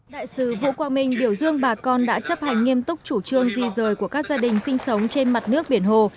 đại sứ vũ quang minh biểu dương bà con đã chấp hành nghiêm túc chủ trương di rời của các gia đình sinh sống trên mặt nước biển hồ